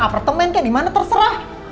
apartemen kayak dimana terserah